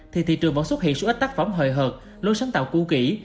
thì thị trường vẫn xuất hiện số ít tác phẩm hời hợt lối sáng tạo cũ kỹ